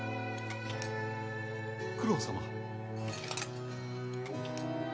・九郎様。